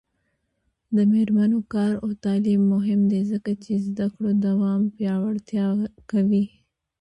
د میرمنو کار او تعلیم مهم دی ځکه چې زدکړو دوام پیاوړتیا کوي.